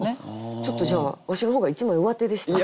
ちょっとじゃあわしの方が一枚うわてでしたかね？